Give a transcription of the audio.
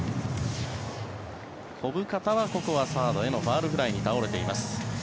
小深田は、ここはサードへのファウルフライに倒れています。